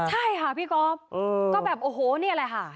ใช่ค่ะพี่ก๊อฟก็แบบโอ้โหนี่แหละค่ะ